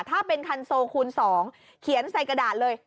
ถ้าเป็นคันโซคูณ๒เขียนใส่กระดาษเลย